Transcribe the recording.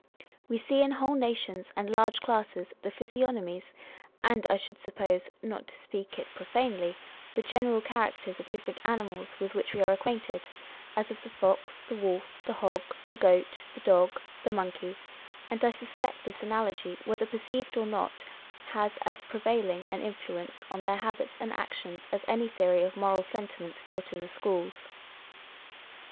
We see in whole nations and large classes the physiognomies, and I should suppose (" not to speak it profanely ") the general characters of different animals with which we are acquainted, as of the fox, the wolf, the hog, the goat, the dog, the monkey ; and I suspect this analogy, whether perceived or not, has as prevailing an influence on their habits and actions as any theory of moral sentiments taught in the schools.